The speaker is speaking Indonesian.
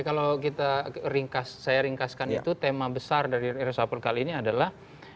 kalau saya ringkaskan itu tema besar dari resapel kali ini adalah